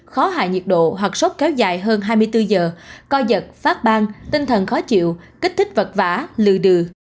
khó hạ nhiệt độ hoặc sốt kéo dài hơn hai mươi bốn giờ coi giật phát ban tinh thần khó chịu kích thích vật vả lừ đừ